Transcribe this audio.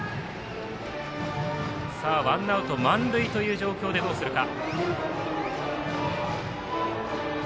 ワンアウト、満塁という状況でどうするか。